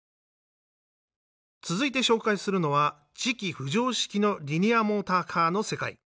続いて紹介するのは磁気浮上式のリニアモーターカーの世界。